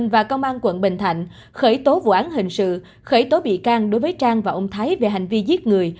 và công an quận bình thạnh khởi tố vụ án hình sự khởi tố bị can đối với trang và ông thái về hành vi giết người